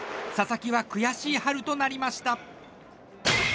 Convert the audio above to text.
佐々木は悔しい春となりました。